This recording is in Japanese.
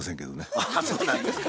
あそうなんですか。